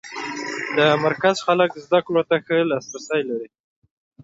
د مرکز خلک زده کړو ته ښه لاس رسی لري.